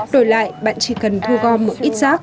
đổi lại bạn chỉ cần thu gom một ít rác